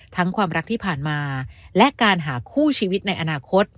ความรักที่ผ่านมาและการหาคู่ชีวิตในอนาคต